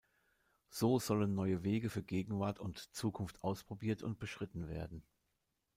So sollen neue Wege für Gegenwart und Zukunft ausprobiert und beschritten werden.